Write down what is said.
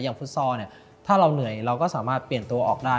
ฟุตซอลเนี่ยถ้าเราเหนื่อยเราก็สามารถเปลี่ยนตัวออกได้